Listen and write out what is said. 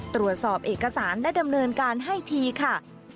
ตรวจสอบเอกสารและดำเนินการให้ทีค่ะ